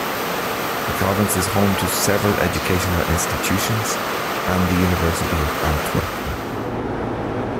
The province is home to several educational institutions and the University of Antwerp.